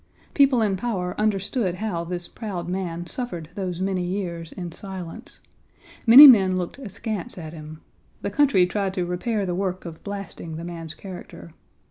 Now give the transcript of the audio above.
People in power understood how this proud man suffered those many years in silence. Many men looked askance at him. The country tried to repair the work of blasting the man's character.